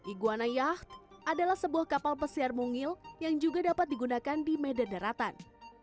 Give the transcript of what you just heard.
iguana yah adalah sebuah kapal pesiar mungil yang juga dapat digunakan di medan daratan